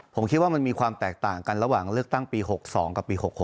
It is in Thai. ผมคิดว่ามันมีความแตกต่างกันระหว่างเลือกตั้งปี๖๒กับปี๖๖